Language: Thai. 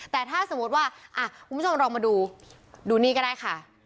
แต่ถ้าสมมุติว่าคุณผู้ชมลองมาดูดูนี่ก็ได้ค่ะ